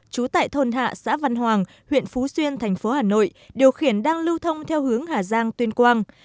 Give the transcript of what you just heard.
trú tại thôn hạ xã văn hoàng huyện phú xuyên thành phố hà nội điều khiển đang lưu thông theo hướng hà giang tuyên quang